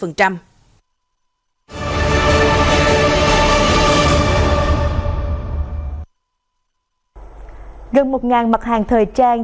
gần một mặt hàng thời trang